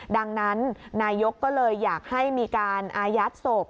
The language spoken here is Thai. ดังนั้นนายกก็เลยอยากให้มีการอายัดศพ